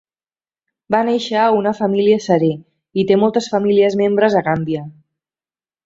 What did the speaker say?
Va néixer a una família Serer i té moltes famílies membres a Gàmbia.